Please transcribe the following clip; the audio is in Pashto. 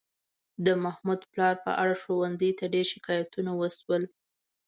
د محمود پلار په اړه ښوونځي ته ډېر شکایتونه وشول.